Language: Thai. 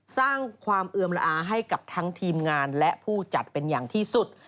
สร้างความเอือมละอาให้กับทั้งทีมงานและผู้จัดเป็นอย่างที่สุด